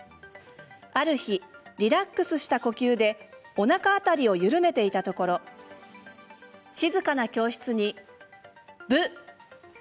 ある日、リラックスした呼吸でおなか辺りを緩めていたところ静かな教室にブッ！